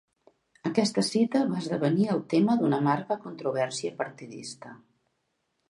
Aquesta cita va esdevenir el tema d'una amarga controvèrsia partidista.